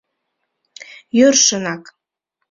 Йӧршынак!